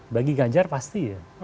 bagi ganjar pasti ya